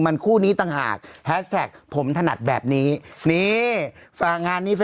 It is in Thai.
มันคู่นี้ตังค์หากแพ้กผมถนัดแบบนี้นี่สางานนี้